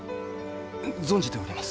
存じております。